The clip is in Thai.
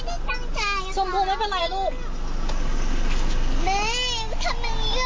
ลูกสาวสาวเห็นตาแม่พูดด้วย